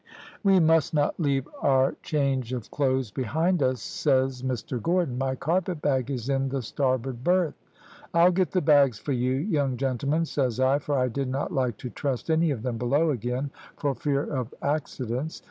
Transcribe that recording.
"`We must not leave our change of clothes behind us,' says Mr Gordon. `My carpet bag is in the starboard berth.' "`I'll get the bags for you, young gentlemen,' says I, for I did not like to trust any of them below again, for fear of accidents.